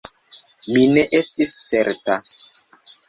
Mi ne estis certa.